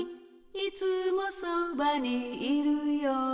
「いつもそばにいるよ」